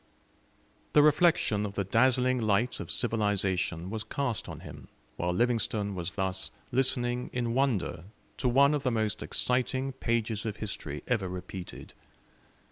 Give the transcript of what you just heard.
The reflection of the dazzling light of civilisation was cast on him while Livingstone was thus listening in wonder to one of the most exciting pages of history ever repeated.